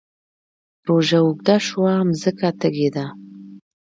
روژه اوږده شوه مځکه تږې ده